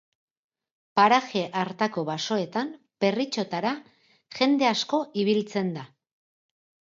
Paraje hartako basoetan perritxotara jende asko ibiltzen da.